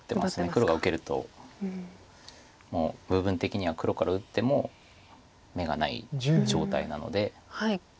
黒が受けるともう部分的には黒から打っても眼がない状態なので。